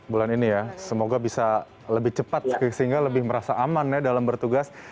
bulan ini ya semoga bisa lebih cepat sehingga lebih merasa aman ya dalam bertugas